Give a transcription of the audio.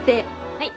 はい。